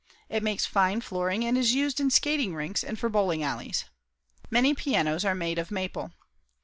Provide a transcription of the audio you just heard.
It makes fine flooring and is used in skating rinks and for bowling alleys. Many pianos are made of maple.